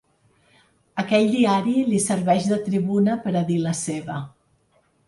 Aquell diari li serveix de tribuna per a dir la seva.